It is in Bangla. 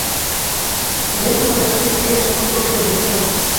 যেয়ে তোমাদের স্বামী-স্ত্রীর সমাধিকক্ষে ঢুকে বসে থাক।